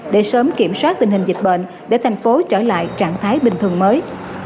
để sớm kiểm soát tình hình dịch bệnh để thành phố trở lại trạng thái bình thường mới